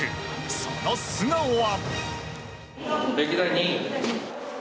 その素顔は。